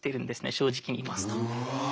正直に言いますと。